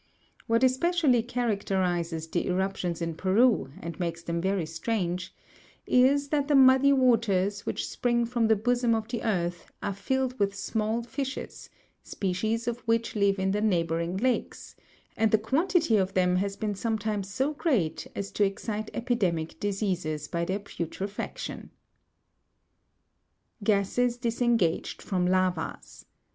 What especially characterizes the eruptions in Peru, and makes them very strange, is that the muddy waters which spring from the bosom of the earth, are filled witli small fishes, species of which live in the neighbouring lakes; and the quantity of them has been sometimes so great as to excite epidemic dis eases by their putrefaction. Gases disengaged from Lavas.